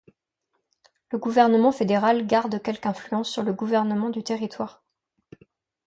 Le gouvernement fédéral garde quelque influence sur le gouvernement du territoire.